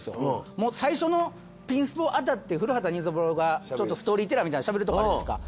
もう最初のピンスポ当たって古畑任三郎がちょっとストーリーテラーみたいにしゃべるとこあるじゃないですか。